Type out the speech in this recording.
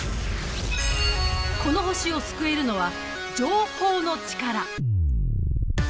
この星を救えるのは情報のチカラ。